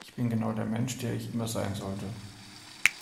Ich bin genau der Mensch, der ich immer sein sollte.